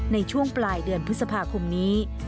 ในช่วงปลายเดือนพฤษภาคมนี้